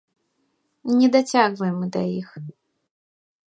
Не дацягваем мы да іх.